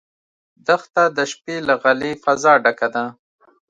دښته د شپې له غلې فضا ډکه ده.